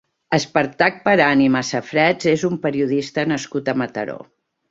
Espartac Peran i Masafrets és un periodista nascut a Mataró.